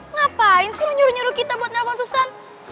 ngapain sih lo nyuruh nyuruh kita buat nelfon susan